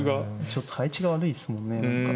ちょっと配置が悪いですもんね何か。